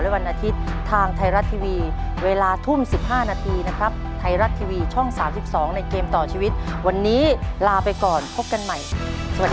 เยอะเหรอลุงกับปั้งเนี่ยมใครได้เยอะกว่ากัน